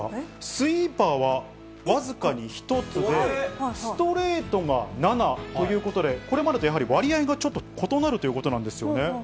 スイーパーは僅かに１つで、ストレートが７ということで、これまでとやはり、割合がちょっと異なるということなんですよね。